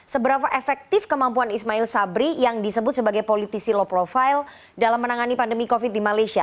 seberapa efektif kemampuan ismail sabri yang disebut sebagai politisi low profile dalam menangani pandemi covid di malaysia